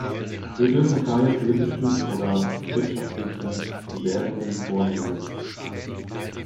Wir dürfen keine politischen oder wirtschaftlichen Bewertungen vornehmen.